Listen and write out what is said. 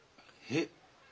えっ。